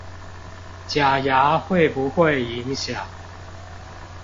假牙會不會影響